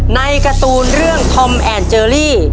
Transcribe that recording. ในการ์ตูนเรื่องธอมแอนเจอรี่